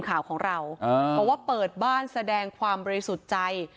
ข่าวของเราบอกว่าเปิดบ้านแสดงความบริสุทธิ์ใจ